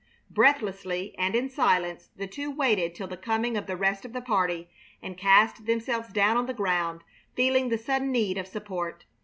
Breathlessly and in silence the two waited till the coming of the rest of the party, and cast themselves down on the ground, feeling the sudden need of support.